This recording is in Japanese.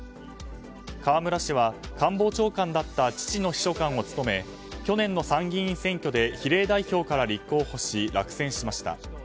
河村氏は官房長官だった父の秘書官を務め去年の参議院選挙で比例代表から立候補し落選しました。